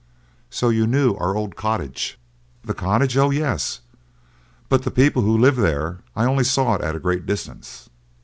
"So you knew our old cottage?" "The cottage! oh, yes; but the people who lived there I only saw at a great distance."